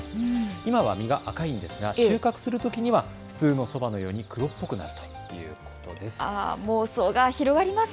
今は実が赤いんですが収穫するときには普通のそばのように黒っぽくなるということです。